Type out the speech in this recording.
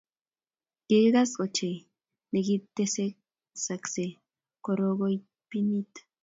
Kikasis ochei ne kitekase kororoktoi pinit